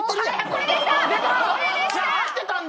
これでした！